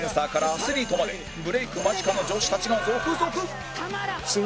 アスリートまでブレーク間近の女子たちが続々